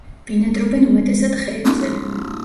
ბინადრობენ უმეტესად ხეებზე.